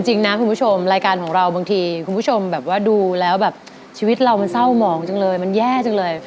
จริงนะคุณผู้ชมรายการของเราบางทีคุณผู้ชมแบบว่าดูแล้วแบบชีวิตเรามันเศร้าหมองจังเลยมันแย่จังเลย